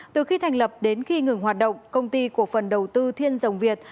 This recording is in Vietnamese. từ khi thành lập đến khi ngừng hoạt động công ty cổ phần đầu tư thiên dòng việt